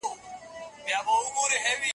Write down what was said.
ما ورته په کلکه وویل چې له ما سره پاتې شه.